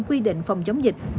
quy định phòng chống dịch